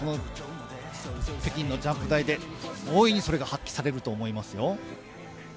北京のジャンプ台で大いにそれが発揮されると思いますよ。